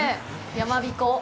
やまびこ。